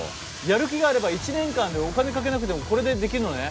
やる気があれば１年間でお金かけなくてもこれでできるのね？